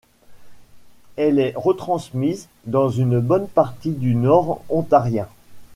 Elle est retransmise dans une bonne partie du Nord ontarien.